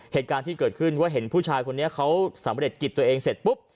เหตุการณ์ที่เกิดขึ้นว่าเห็นผู้ชายคนนี้เขาสำเร็จกิจตัวเองเสร็จปุ๊บ